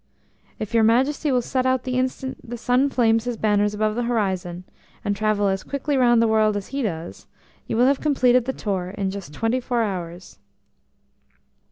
"If your Majesty will set out the instant the sun flames his banners above the horizon, and travel as quickly round the world as he does, you will have completed the tour in just twenty four hours."